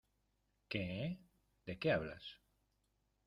¿ Qué? ¿ de qué hablas ?